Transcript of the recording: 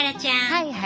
はいはい。